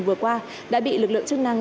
vừa qua đã bị lực lượng chức năng